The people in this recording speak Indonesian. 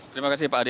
terima kasih pak adi